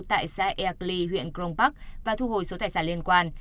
tại xã eak lee huyện krong park và thu hồi số tài sản liên quan